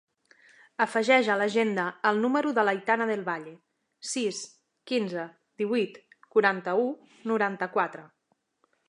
Afegeix a l'agenda el número de l'Aitana Del Valle: sis, quinze, divuit, quaranta-u, noranta-quatre.